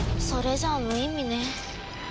それじゃあ無意味ね。